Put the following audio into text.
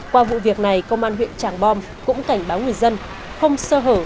qua vụ việc này công an huyện tràng bom cũng cảnh báo người dân không sơ hở